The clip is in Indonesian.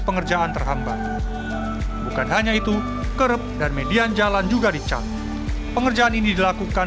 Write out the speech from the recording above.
pengerjaan terhambat bukan hanya itu kerep dan median jalan juga dicat pengerjaan ini dilakukan